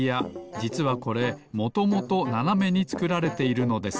じつはこれもともとななめにつくられているのです。